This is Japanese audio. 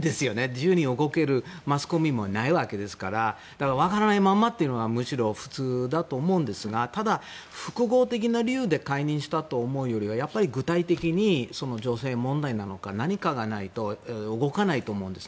自由に動けるマスコミもいないわけですから分からないままというのがむしろ普通だと思うんですがただ、複合的な理由で解任したと思うよりは具体的に女性問題なのか何かがないと動かないと思うんです。